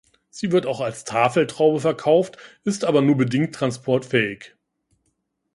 Sie wird auch als Tafeltraube verkauft, ist aber nur bedingt transportfähig.